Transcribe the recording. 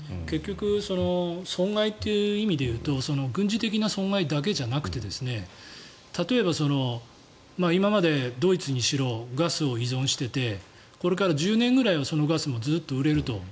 結局、損害という意味でいうと軍事的な損害だけじゃなくて例えば、今までドイツにしろガスを依存しててこれから１０年ぐらいはそのガスもずっと売れると。